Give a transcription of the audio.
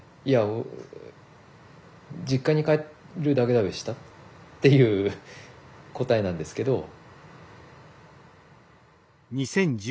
いや実家に帰るだけだべしたっていう答えなんですけど。